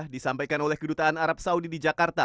disampaikan oleh kedutaan arab saudi di jakarta